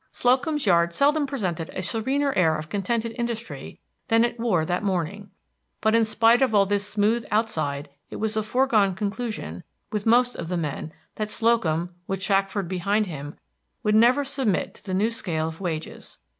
Slocum's Yard seldom presented a serener air of contented industry than it wore that morning; but in spite of all this smooth outside it was a foregone conclusion with most of the men that Slocum, with Shackford behind him, would never submit to the new scale of wages.